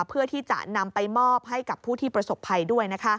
เพื่อที่จะนำไปมอบให้กับผู้ที่ประสบภัยด้วย